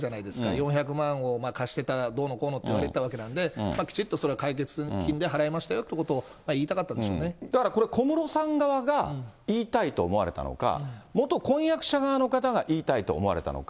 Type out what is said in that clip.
４００万を貸してた、どうのこうのって言われてたわけなんで、きちっとそれは解決金で払いましたよっていうことを言いたかっただからこれ、小室さん側が言いたいと思われたのか、元婚約者の片側が言いたいと思われたのか。